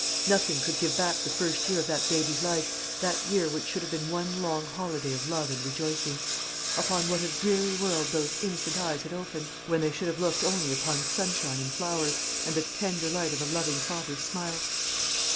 Nothing could give back the first year of that baby's life, that year which should have been one long holiday of love and rejoicing. Upon what a dreary world those innocent eyes had opened, when they should have looked only upon sunshine and flowers, and the tender light of a loving father's smile!